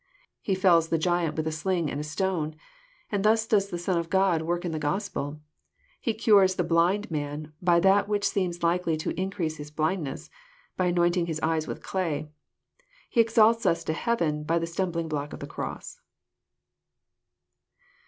He fells the giant with a sling and stone. And thus does the Son of God work in the Gospel. He cures . the blind man by that which seemed likely to increase his blindness, by anointing his eyes with clay. He exalts us to heaven by the stumbling block of the cross."